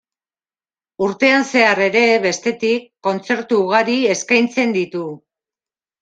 Urtean zehar ere, bestetik, kontzertu ugari eskaintzen ditu.